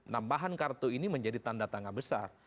nambahan kartu ini menjadi tanda tanda besar